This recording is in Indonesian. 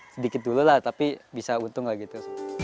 sedikit dulu lah tapi bisa untung lah gitu